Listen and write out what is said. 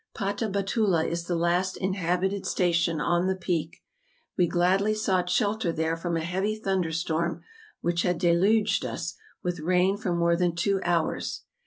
Pataba tula is the last inhabited station on the peak. We gladly sought shelter there from a heavy thunder¬ storm which had deluged us with rain for more than two hours.